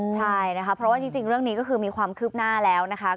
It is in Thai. ใช่นะคะเพราะว่าจริงเรื่องนี้ก็คือมีความคืบหน้าแล้วนะคะ